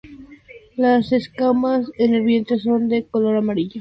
Las escamas en el vientre son de color amarillo pálido o anaranjado.